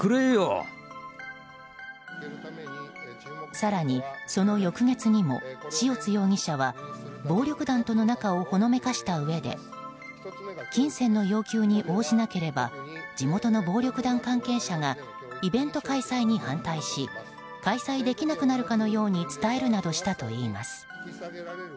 更に、その翌月にも塩津容疑者は暴力団との仲をほのめかしたうえで金銭の要求に応じなければ地元の暴力団関係者がイベント開催に反対し開催できなくなるかのように伝えるなどしたといいます。